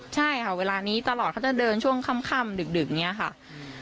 ใช่ค่ะเวลานี้ตลอดเขาจะเดินช่วงค่ำดึกอย่างนี้ค่ะ